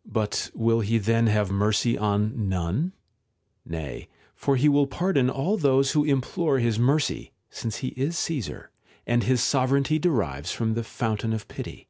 § 3. But will he then have mercy on none ? Nav,__for he will pardon all those who implore his mercy, since ho is Caesar, and his sovereignty derives from the fountain of pity.